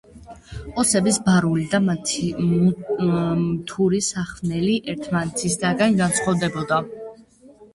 ოსების ბარული და მთური სახვნელი ერთმანეთისაგან განსხვავდებოდა.